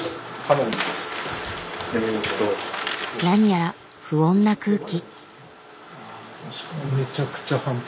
何やら不穏な空気。